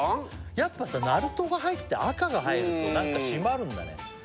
やっぱさなるとが入って赤が入ると何か締まるんだね